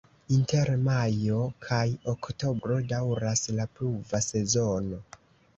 Inter majo kaj oktobro daŭras la pluva sezono.